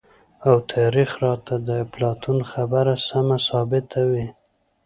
او تاريخ راته د اپلاتون خبره سمه ثابته وي،